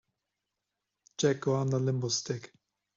Jack go under limbo stick.